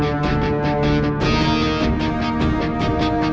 waduh levantasak hangim